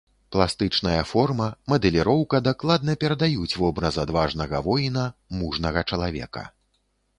Пластычная форма, мадэліроўка дакладна перадаюць вобраз адважнага воіна, мужнага чалавека.